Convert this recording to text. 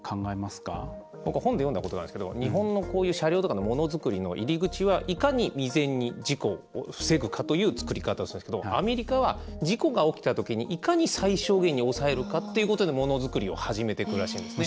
僕は本で読んだことがあるんですけど日本の、こういう車両とかのものづくりの入り口はいかに未然に事故を防ぐかという作り方をするんですけどアメリカは事故が起きたときにいかに最小限に抑えるかっていうことでものづくりを始めてくらしいんですね。